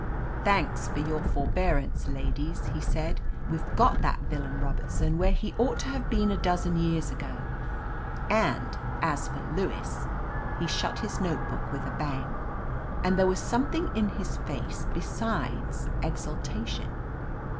"Thanks for your forbearance, ladies," he said, "we've got that villain Robertson where he ought to have heen a dozen years ago. And as for Lewis —" He shut his notebook with a bang, and there was something in his face 274 OF LETITIA CARBERRY besides exultation.